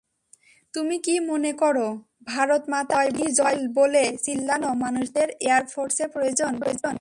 তুমি কী মনে করো, ভারত মাতা কী জয় বলে চিল্লানো মানুষদের এয়ারফোর্সে প্রয়োজন?